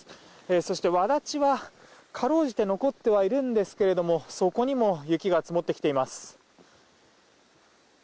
そして、わだちはかろうじて残ってはいるんですがそこにも雪が積もってきています。